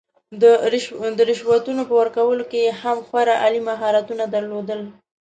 د رشوتونو په ورکولو کې یې هم خورا عالي مهارتونه درلودل.